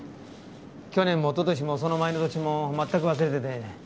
去年も一昨年もその前の年も全く忘れてて。